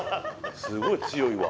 すごい強いわ。